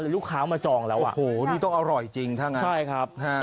ลูกค้ามาจองแล้วอ่ะโอ้โหนี่ต้องอร่อยจริงถ้างั้นใช่ครับ